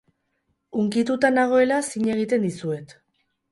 Hunkituta nagoela zin egiten dizuet.